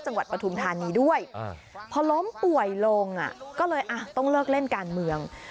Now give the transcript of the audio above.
ปฐุมธานีด้วยพอล้มป่วยลงก็เลยต้องเลิกเล่นการเมือง